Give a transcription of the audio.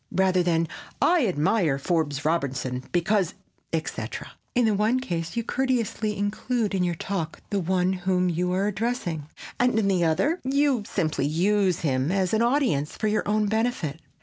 rather than "I admire Forbes Robertson because, etc." In the one case, you courteously include in your talk the one whom you are addressing, and, in the other, you simply use him as an audience for your own benefit.